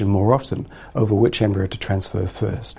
untuk mengambil kembar yang lebih cepat